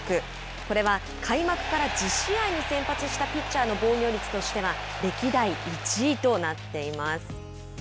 これは、開幕から１０試合に先発したピッチャーの防御率としては歴代１位となっています。